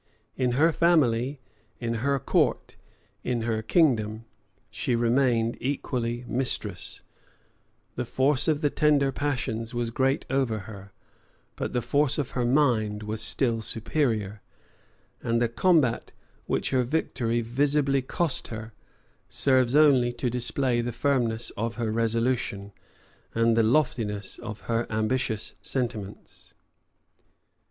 In her family, in her court, in her kingdom, she remained equally mistress: the force of the tender passions was great over her, but the force of her mind was still superior; and the combat which her victory visibly cost her, serves only to display the firmness of her resolution, and the loftiness of her ambitious sentiments.